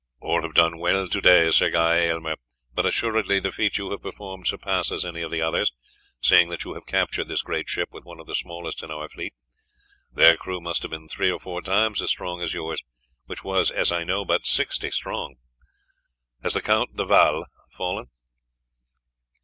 "All have done well to day, Sir Guy Aylmer, but assuredly the feat you have performed surpasses any of the others, seeing that you have captured this great ship with one of the smallest in our fleet. Their crew must have been three or four times as strong as yours, which was, as I know, but sixty strong. Has the Count de Valles fallen?"